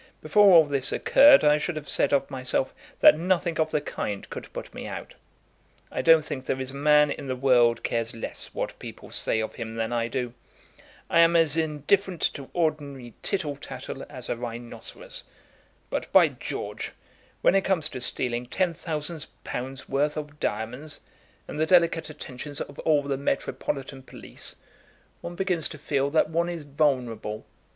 Before all this occurred I should have said of myself that nothing of the kind could put me out. I don't think there is a man in the world cares less what people say of him than I do. I am as indifferent to ordinary tittle tattle as a rhinoceros. But, by George, when it comes to stealing ten thousand pounds' worth of diamonds, and the delicate attentions of all the metropolitan police, one begins to feel that one is vulnerable.